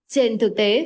trên thực tế